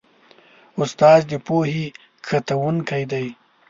استاد د پوهې کښتونکی دی.